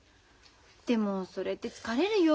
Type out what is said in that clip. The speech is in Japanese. でもそれって疲れるよ。